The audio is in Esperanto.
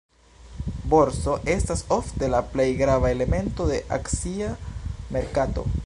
Borso estas ofte la plej grava elemento de akcia merkato.